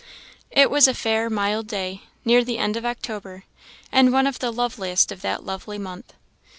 It was a fair, mild day, near the end of October, and one of the loveliest of that lovely month.